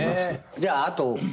じゃああとは。